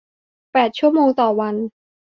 แปดชั่วโมงต่อวัน